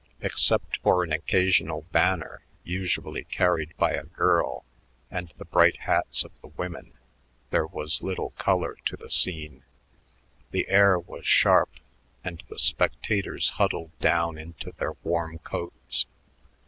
Except for an occasional banner, usually carried by a girl, and the bright hats of the women, there was little color to the scene. The air was sharp, and the spectators huddled down into their warm coats.